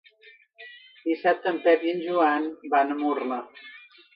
Dissabte en Pep i en Joan van a Murla.